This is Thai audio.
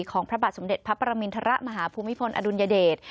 พระบาทสมเด็จพระปรมินทรมาฮภูมิพลอดุลยเดช